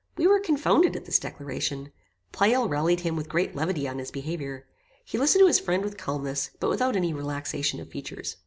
We were confounded at this declaration. Pleyel rallied him with great levity on his behaviour. He listened to his friend with calmness, but without any relaxation of features.